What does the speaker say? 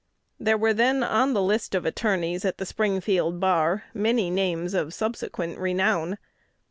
There were then on the list of attorneys at the Springfield bar many names of subsequent renown.